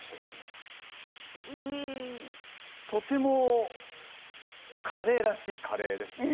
とてもカレーらしいカレーですね。